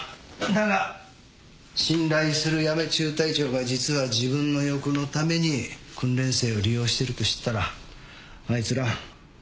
だが信頼する八女中隊長が実は自分の欲のために訓練生を利用してると知ったらあいつらショックを受けるだろうな。